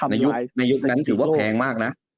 ในยุคนั้นถือว่าแพงมากนะ